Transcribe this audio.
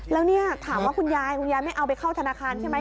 แล้วเนี่ยถามว่าคุณยายคุณยายไม่เอาไปเข้าธนาคารใช่ไหม